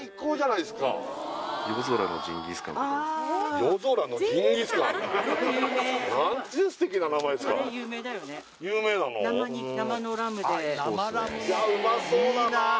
いやうまそうだなあ